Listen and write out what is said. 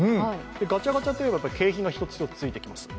ガチャガチャといえば、景品がついてきます。